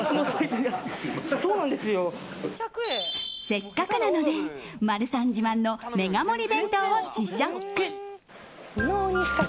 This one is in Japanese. せっかくなのでマルサン自慢のメガ盛り弁当を試食。